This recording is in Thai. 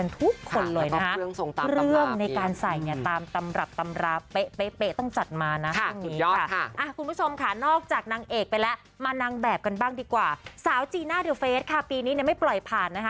นี่คือไม่ได้ขี่ชั้นมาจริงแต่ว่าเล่นแบบว่าเป็นเงา